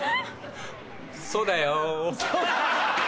そうだよ。